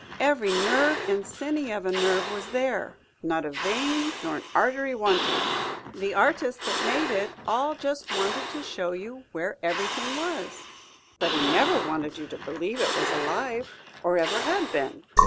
Every nerve and siny of a nerve was there, not a vein nor an artery wanting. The artist that made it all just wanted to show you where everything was; but he never wanted you to believe it was alive, or ever had been.